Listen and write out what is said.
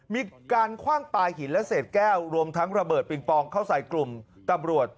มีการคว่างปลาหินและเศษแก้วรวมทั้งระเบิดปิงปองเข้าใส่กลุ่มตำรวจ